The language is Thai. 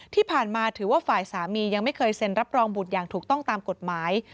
ที่ผ่านมาถือว่าฝ่ายสามียังไม่เคยเซ็นรับรองบุตรอย่างถูกต้องตามกฎหมาย